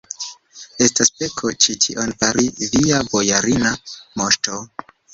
estas peko ĉi tion fari, via bojarina moŝto!